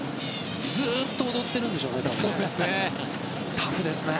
ずっと踊ってるんでしょうね多分ね。